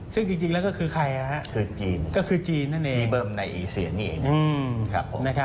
ซึ่งจริงแล้วก็คือใครครับคือจีนนั่นเองมีเบิ่มในอีเซียนเอง